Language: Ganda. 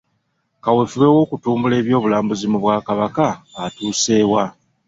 Kaweefube w'okutumbula eby'obulambuzi mu Bwakabaka atuuse wa?